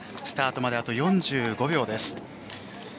スタートまであと４５秒です。